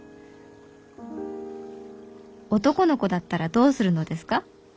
「男の子だったらどうするのですか？」。